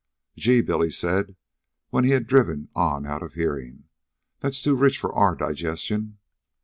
"Gee!" Billy said, when he had driven on out of hearing; "that's too rich for our digestion."